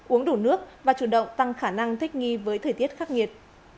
uống đủ nước và chủ động tăng khả năng thích nghi với thời tiết khắc nghiệt